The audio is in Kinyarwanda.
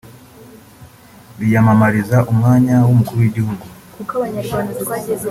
biyamamariza umwanya w’umukuru w’igihugu